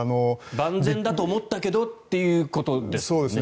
万全だと思ったけどっていうことですもんね。